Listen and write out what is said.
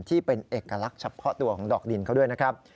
ที่เป็นเอกลักษณ์เฉพาะตัวของดอกดินเขาด้วยนะครับ